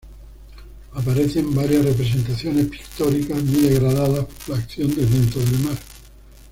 Aparecen varias representaciones pictóricas muy degradadas por la acción del viento del mar.